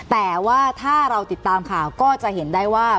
แต่ว่าถ้าเราติดตามข่าวก็จะเห็นได้ว่า